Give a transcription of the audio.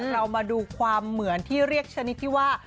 เรามาดูความเหมือนที่เรียกชนิดที่ว่า